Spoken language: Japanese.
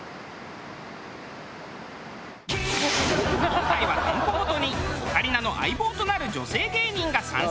今回は店舗ごとにオカリナの相棒となる女性芸人が参戦。